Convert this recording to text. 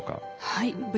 はい。